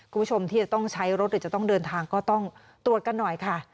คุณผู้ชมที่จะต้องใช้รถหรือจะต้องเดินทางก็ต้องตรวจกันหน่อยค่ะ